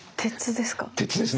鉄ですね。